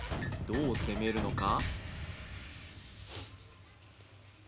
どう攻めるのか？